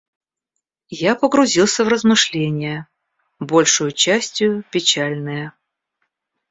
Я погрузился в размышления, большею частию печальные.